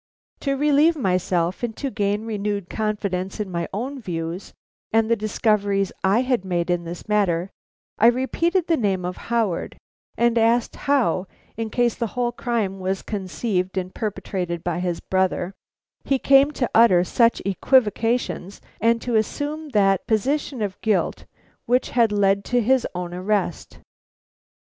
To relieve myself and to gain renewed confidence in my own views and the discoveries I had made in this matter, I repeated the name of Howard, and asked how, in case the whole crime was conceived and perpetrated by his brother, he came to utter such equivocations and to assume that position of guilt which had led to his own arrest.